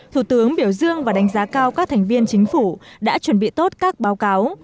thủ tướng biểu dương và đánh giá cao các thành viên chính phủ đã chuẩn bị tốt các báo cáo